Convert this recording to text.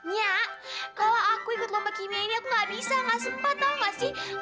nyak kalo aku ikut lomba kimia ini aku ga bisa ga sempat tau ga sih